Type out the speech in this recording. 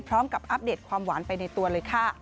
พร้อมกับอัปเดตความหวานไปในตัวเลยค่ะ